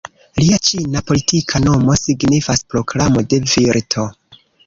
Lia ĉina politika nomo signifas "Proklamo de Virto".